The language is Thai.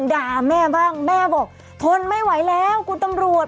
แม่ก็แม่แม่ก็แม่ทุกคนเลยแม่ไม่ได้เข้าใจผมเลย